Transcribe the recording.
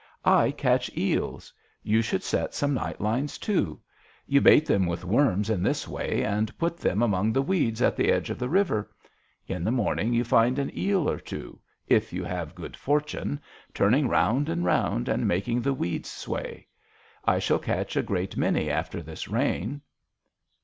" I catch eels. You should set some night lines too. You bait 12 JOHN SHERMAN. them with worms in this way, and put them among the weeds at the edge of the river. In the morning you find an eel or two, if you have good fortune, turning round and round and making the weeds sway. I shall catch a great many after this rain."